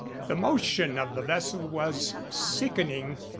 The motion of the vessel was sickening.